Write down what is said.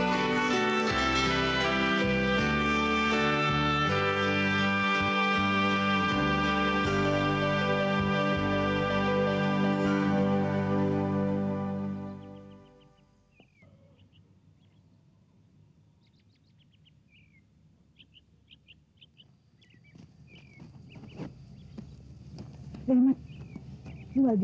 gak bakal jadi satu